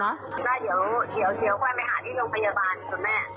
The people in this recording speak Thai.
ก็เดี๋ยวกลับไปหาที่น้องพี่แอลบ้านคุณแม่